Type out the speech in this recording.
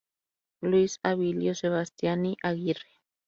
Luis Abilio Sebastiani Aguirre.